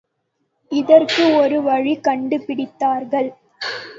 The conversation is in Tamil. இதற்கு ஒரு வழி கண்டுபிடித்தார்கள்.